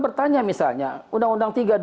bertanya misalnya uu tiga dua ribu dua